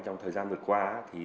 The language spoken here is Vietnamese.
trong thời gian vừa qua